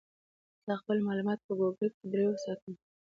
زه خپل معلومات په ګوګل ډرایو ساتم.